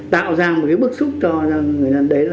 tạo ra một cái bức xúc cho người ta